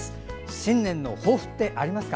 新年の抱負ってありますか？